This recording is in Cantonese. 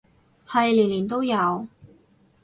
係年年都有